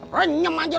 renyam aja lu